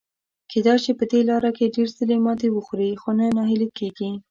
کېدای شي په دې لاره کې ډېر ځلي ماتې وخوري، خو نه ناهیلي کیږي.